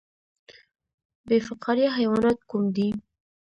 بې فقاریه حیوانات کوم دي؟